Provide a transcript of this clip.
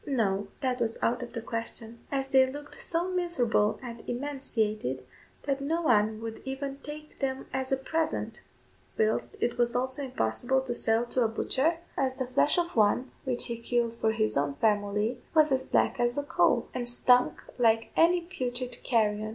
No; that was out of the question, as they looked so miserable and emaciated, that no one would even take them as a present, whilst it was also impossible to sell to a butcher, as the flesh of one which he killed for his own family was as black as a coal, and stunk like any putrid carrion.